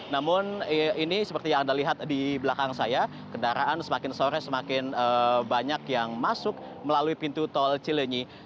namun ini seperti yang anda lihat di belakang saya kendaraan semakin sore semakin banyak yang masuk melalui pintu tol cilenyi